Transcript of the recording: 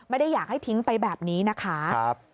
ไม่ได้อยากให้ทิ้งไปแบบนี้นะคะ